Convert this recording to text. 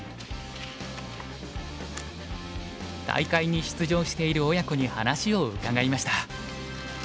大会に出場している親子に話を伺いました。